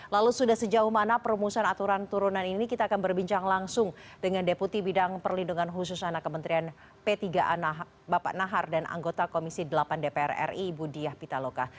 lalu sudah sejauh mana perumusan aturan turunan ini kita akan berbincang langsung dengan deputi bidang perlindungan khusus anak kementerian p tiga a bapak nahar dan anggota komisi delapan dpr ri ibu diah pitaloka